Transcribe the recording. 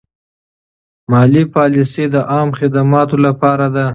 مالي پالیسي د عامه خدماتو لپاره ده.